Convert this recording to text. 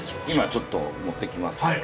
今ちょっと持ってきます。